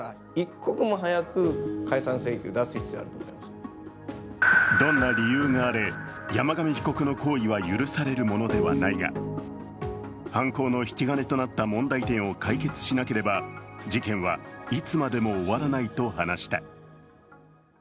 その理由はどんな理由があれ、山上被告の行為は許されるものではないが犯行の引き金となった問題点を解決しなければ事件はいつまでも終わらないと話した。